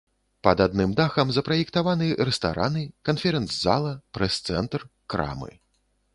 Пад адным дахам запраектаваны рэстараны, канферэнц-зала, прэс-цэнтр, крамы.